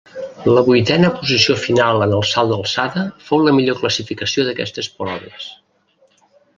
La vuitena posició final en el salt d'alçada fou la millor classificació d'aquestes proves.